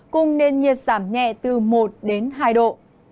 cùng nền nhiệt giảm nhẹ từ một đến hai độ